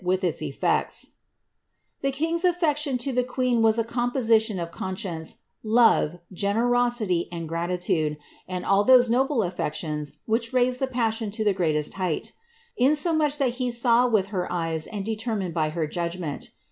with its effects :' "The king^s affection to the queen was a compasitioQ of conscience, love, generosity, and gratitude, and all tho^e noble aflee tions which raise the passion to the greatest height ; insomuch that he saw with her eyes and determined by her judgment.